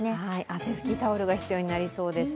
汗拭きタオルが必要になりそうです。